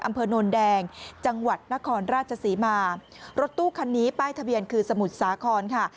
อำเภอโนนแดงจังหวัดนครราชศรีมารถตู้คันนี้ป้ายทะเบียนคือสมุทรสาครค่ะ